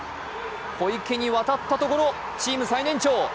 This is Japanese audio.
小池に渡ったところチーム最年長。